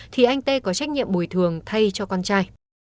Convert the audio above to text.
thì anh tê có trách nhiệm bồi thường thay cho con trai